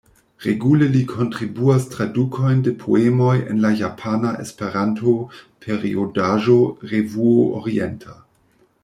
Regule li kontribuas tradukojn de poemoj en la japana Esperanto-periodaĵo Revuo Orienta.